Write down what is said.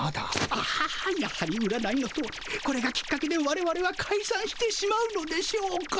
ああやはり占いのとおりこれがきっかけでわれわれはかいさんしてしまうのでしょうか。